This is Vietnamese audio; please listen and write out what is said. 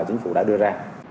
chính phủ đã đưa ra